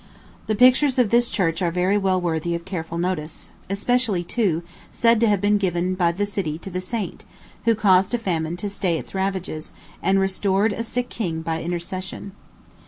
The pictures of this church are very well worthy of careful notice especially two, said to have been given by the city to the saint, who caused a famine to stay its ravages, and restored a sick king by intercession.